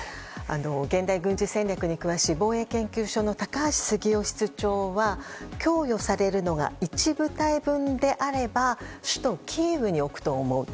現代軍事戦略に詳しい防衛研究所の高橋杉雄室長は供与されるのが１部隊分であれば首都キーウに置くと思う。